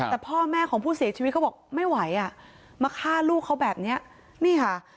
แต่พ่อแม่ของผู้เสียชีวิตเขาบอกไม่ไหวอ่ะมาฆ่าลูกเขาแบบนี้นี่ค่ะ